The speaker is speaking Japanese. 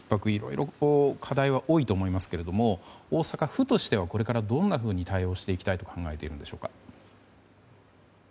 いろいろ課題は多いと思いますけれども大阪府としてはこれからどんなふうに対応していきたいと考えているんでしょうか。